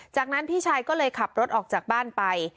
จากนั้นพี่ชายก็เลยขับรถออกจากบ้านไป